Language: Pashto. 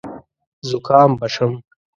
زکام به شم .